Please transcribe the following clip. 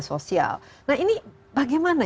sosial nah ini bagaimana